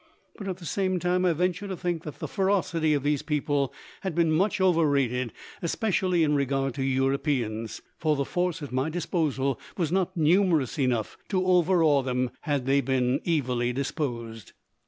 But at the same time I venture to think that the ferocity of these people has been much overrated, especially in regard to Europeans; for the force at my disposal was not numerous enough to overawe them had they been evilly disposed.